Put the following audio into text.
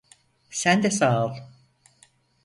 Sen de sağ ol.